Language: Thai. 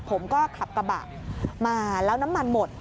ผมก็ขับกระบะมาแล้วน้ำมันหมด